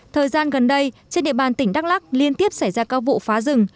thời gian gần đây trên địa bàn tỉnh đắk lắc liên tiếp xảy ra các vụ phá rừng